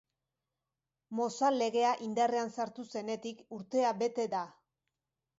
Mozal legea indarrean sartu zenetik urtea bete da.